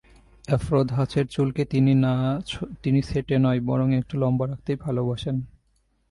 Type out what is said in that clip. Afro ধাঁচের চুলকে তিনি ছেঁটে নয়; বরং একটু লম্বা রাখতেই ভালোবাসেন।